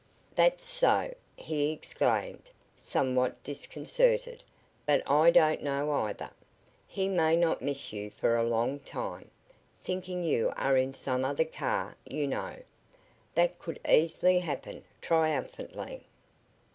"That's so!" he exclaimed, somewhat disconcerted. "But I don't know, either. He may not miss you for a long time, thinking you are in some other car, you know. That could easily happen," triumphantly.